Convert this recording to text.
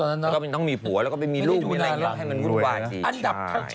แล้วก็ต้องมีผัวแล้วก็ไปมีลูกหรืออะไรอย่างเงี้ยให้มันหมดวาดดี